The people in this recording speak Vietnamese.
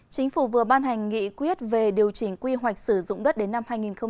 chính phủ vừa ban hành nghị quyết về điều chỉnh quy hoạch sử dụng đất đến năm hai nghìn ba mươi